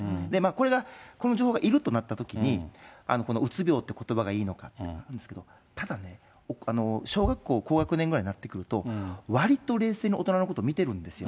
これが、この情報がいるとなったときに、うつ病っていうことばがいいのかなんですけれども、ただね、小学校高学年ぐらいになってくると、わりと冷静に大人のこと見てるんですよ。